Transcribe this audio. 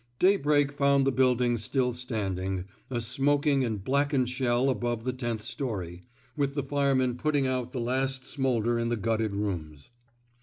Daybreak found the building still standing, a smoking and blackened shell above the tenth story, with the firemen putting out the 219 THE SMOKE EATERS last smoulder in the gutted rooms.